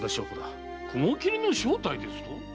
雲切の正体ですと？